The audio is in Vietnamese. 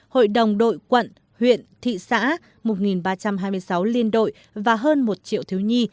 hội đồng đội quận huyện thị xã một ba trăm hai mươi sáu liên đội và hơn một triệu thiếu nhi